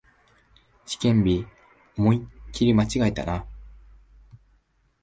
試験日、思いっきり間違えたな